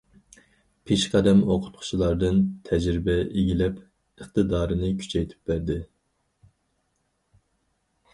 پېشقەدەم ئوقۇتقۇچىلاردىن تەجرىبە ئىگىلەپ، ئىقتىدارىنى كۈچەيتىپ باردى.